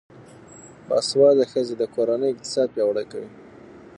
باسواده ښځې د کورنۍ اقتصاد پیاوړی کوي.